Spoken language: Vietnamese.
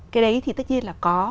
cái đấy thì tất nhiên là có